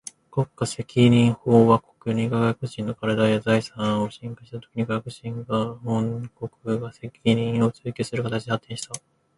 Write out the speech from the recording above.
国家責任法は、国が外国人の身体や財産を侵害したときに、外国人の本国が責任を追求する形で発展した。